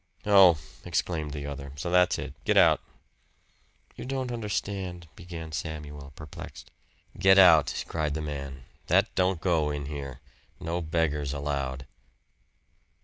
"Oh!" exclaimed the other. "So that's it. Get out!" "You don't understand," began Samuel, perplexed. "Get out!" cried the man. "That don't go in here. No beggars allowed!"